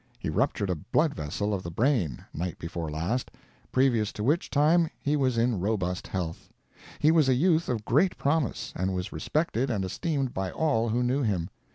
He ruptured a blood vessel of the brain, night before last, previous to which time he was in robust health. He was a youth of great promise, and was respected and esteemed by all who knew him.